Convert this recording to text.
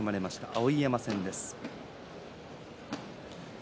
碧山戦です。